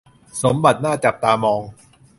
สมบัติน่าจับตามอง